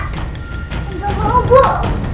tidak mau obol